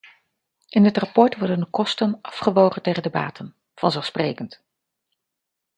In het rapport worden de kosten afgewogen tegen de baten - vanzelfsprekend.